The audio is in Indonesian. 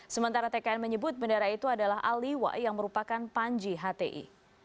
sementara tkn menyebut bendera itu adalah aliwa yang merupakan panji hti